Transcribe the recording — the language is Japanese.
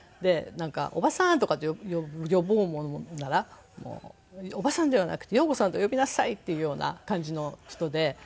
なんか「おばさん」とかって呼ぼうものならおばさんではなくて洋子さんと呼びなさいっていうような感じの人で。